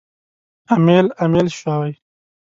امیل، امیل شوی